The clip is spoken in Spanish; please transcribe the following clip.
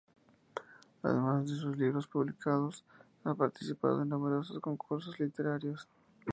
Además de sus libros publicados ha participado en numerosos concursos literarios.